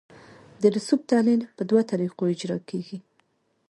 د رسوب تحلیل په دوه طریقو اجرا کیږي